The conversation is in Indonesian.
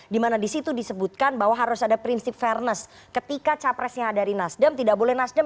di mana di situ disebutkan bahwa harus ada prinsip fairness ketika cawapresnya dari nasdam